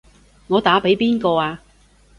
我打畀邊個啊？